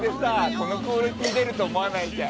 このクオリティー出ると思わないじゃん。